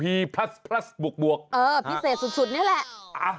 เออพิเศษสุดนี่แหละ